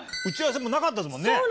打ち合わせもなかったですもんね。